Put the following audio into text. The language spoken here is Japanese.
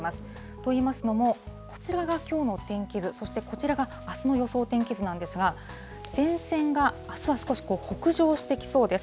といいますのも、こちらがきょうの天気図、そしてこちらがあすの予想天気図なんですが、前線があすは少し北上してきそうです。